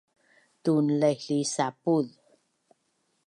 Tunlaihlih sapuz